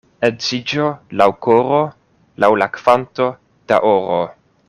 Edziĝo laŭ koro, laŭ la kvanto da oro.